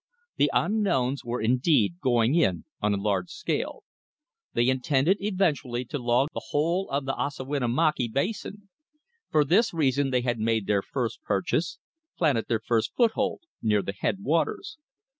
The Unknowns were indeed going in on a large scale. They intended eventually to log the whole of the Ossawinamakee basin. For this reason they had made their first purchase, planted their first foot hold, near the headwaters.